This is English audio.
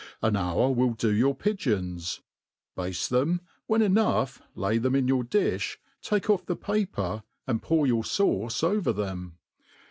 An hour will jdo your pigeons; bafte them, when enough lay them in your di(h, take off the paper, and pour, your fauce over them.